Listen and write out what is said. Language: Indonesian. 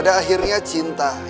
dia telah memberikan keberadaan